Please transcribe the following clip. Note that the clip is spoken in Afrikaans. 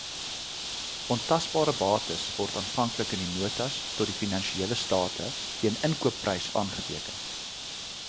Ontasbare bates word aanvanklik in die notas tot die finansiële state teen inkoopprys aangeteken.